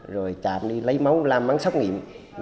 rồi trạm đi lấy máu làm bán xác nghiệm